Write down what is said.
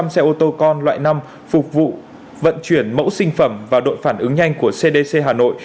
một mươi xe ô tô con loại năm phục vụ vận chuyển mẫu sinh phẩm và đội phản ứng nhanh của cdc hà nội